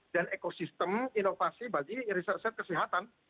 dan ekosistem inovasi bagi riset riset kesehatan